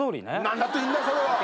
何だっていいんだそれは。